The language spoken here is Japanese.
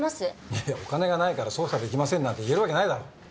いやいやお金がないから捜査できませんなんて言えるわけないだろ。